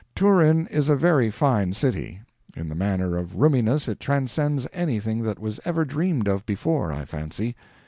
Turin is a very fine city. In the matter of roominess it transcends anything that was ever dreamed of before, I fancy.